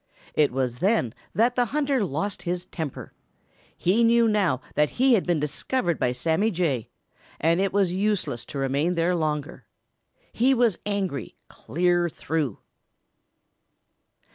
It was then that the hunter lost his temper. He knew that now he had been discovered by Sammy Jay, and it was useless to remain there longer. He was angry clear through.